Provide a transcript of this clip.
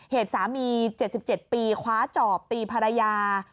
เหตุสามี๗๗ปีคว้าจอบตีภรรยา